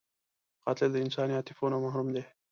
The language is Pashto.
قاتل د انساني عاطفو نه محروم دی